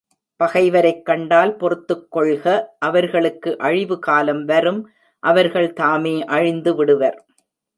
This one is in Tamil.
பகைவரைக் கண்டால் பொறுத்துக்கொள்க அவர்களுக்கு அழிவு காலம் வரும் அவர்கள் தாமே அழிந்து விடுவர்.